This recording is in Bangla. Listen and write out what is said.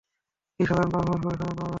কী অসাধারণ পার্ফমেন্স করেছেন আপনারা।